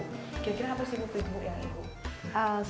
kira kira apa sih ibu perlindungan ibu